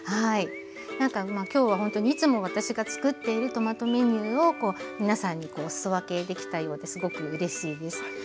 なんか今日はほんとにいつも私がつくっているトマトメニューを皆さんにお裾分けできたようですごくうれしいです。